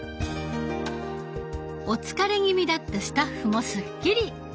お疲れ気味だったスタッフもスッキリ。